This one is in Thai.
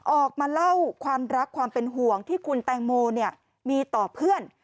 ออกมาเล่าความรักความเป็นห่วงที่คุณแตงโมมีต่อเพื่อน